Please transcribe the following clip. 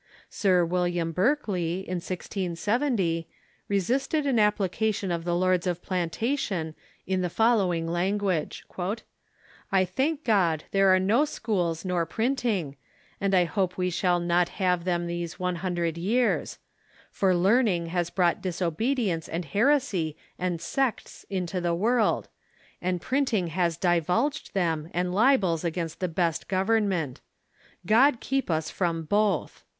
Sir William Berkeley, in 1670, resisted an application of the Lords of Plantation in the following language :" I thank God there are no schools nor printing, and I hope we shall not have them these one hundred years ; for learning has brought disobedience and heresy and sects into the world, and printing has divulged them, and libels against the best government. God keep us from both